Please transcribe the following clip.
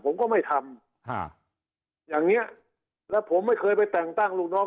ผมก็ไม่ทำฮะอย่างเงี้ยแล้วผมไม่เคยไปแต่งตั้งลูกน้อง